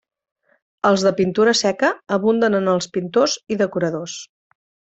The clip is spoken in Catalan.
Els de pintura seca abunden en els pintors i decoradors.